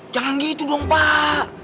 jangan gitu dong pak